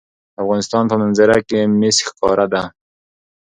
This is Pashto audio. د افغانستان په منظره کې مس ښکاره ده.